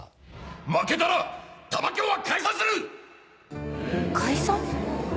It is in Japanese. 負けたら玉響は解散するえ！解散？